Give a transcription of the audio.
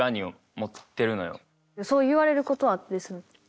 そう言われることはあったりするん？